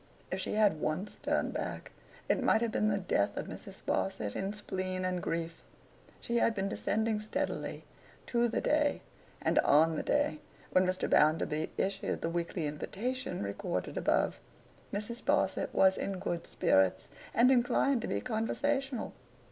If she had once turned back, it might have been the death of Mrs. Sparsit in spleen and grief. She had been descending steadily, to the day, and on the day, when Mr. Bounderby issued the weekly invitation recorded above. Mrs. Sparsit was in good spirits, and inclined to be conversational.